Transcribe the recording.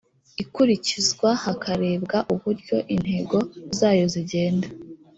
ikurikizwa hakarebwa uburyo intego zayo zigenda